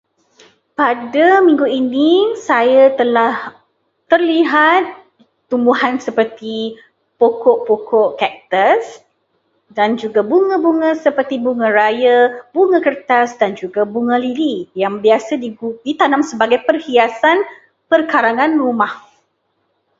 Pada minggu ini, saya telah terlihat tumbuhan seperti pokok-pokok kaktus, dan juga bunga-bunga seperti bunga raya, bunga kertas dan juga bunga lili yang biasanya ditanam sebagai hiasan perkarangan rumah.